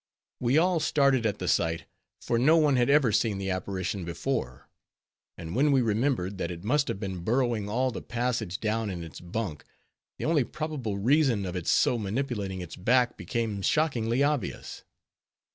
We all started at the sight, for no one had ever seen the apparition before; and when we remembered that it must have been burrowing all the passage down in its bunk, the only probable reason of its so manipulating its back became shockingly obvious.